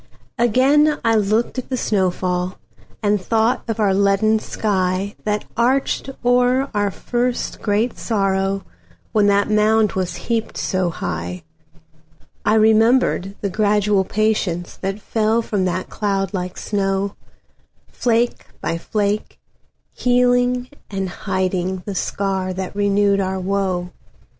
Again I looked at the snow fall, And thought of the leaden skyThat arched o'er our first great sorrow, When that mound was heaped so high.I remembered the gradual patienceThat fell from that cloud like snow, Flake by flake, healing and hidingThe scar that renewed our woe.